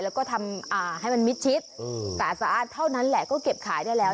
แล้วก็ทำให้มันมิดชิดแต่สะอาดเท่านั้นแหละก็เก็บขายได้แล้ว